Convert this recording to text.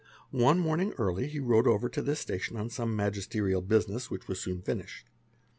One morning early, he rode over to this station on some magisterial business which was soon finished.